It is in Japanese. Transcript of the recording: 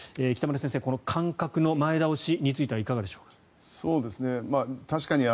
北村先生間隔の前倒しについてはいかがでしょうか。